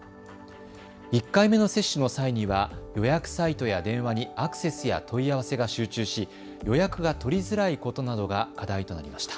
１回目の接種の際には予約サイトや電話にアクセスや問い合わせが集中し、予約が取りづらいことなどが課題となりました。